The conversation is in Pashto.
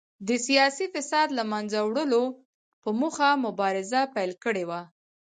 د سیاسي فساد له منځه وړلو په موخه مبارزه پیل کړې وه.